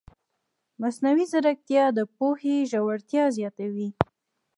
مصنوعي ځیرکتیا د پوهې ژورتیا زیاتوي.